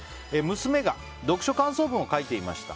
娘が読書感想文を書いていました。